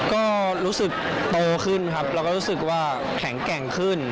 ก็รู้สึกโตขึ้นครับแล้วก็รู้สึกว่าแข็งแกร่งขึ้น